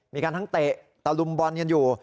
มีการทั้งเตะตะลุมบอลกันอยู่